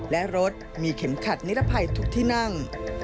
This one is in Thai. และรถมีเข็มขัดนิรภัยทุกที่นั่ง